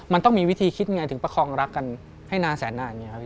มันต้องมีวิธีคิดอย่างไรถึงประคองรักกันให้นานแสนนาน